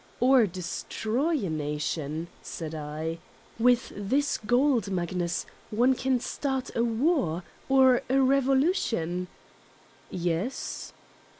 "( l Or destroy a nation, '? said I. '' With this gold, Magnus, one can start a war or a revolution "Yes!